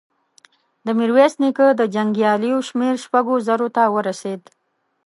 د ميرويس نيکه د جنګياليو شمېر شپږو زرو ته ورسېد.